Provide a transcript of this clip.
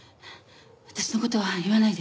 私の事は言わないで。